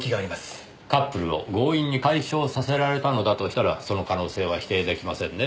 カップルを強引に解消させられたのだとしたらその可能性は否定出来ませんねぇ。